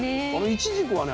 いちじくはね